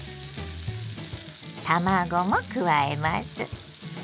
卵も加えます。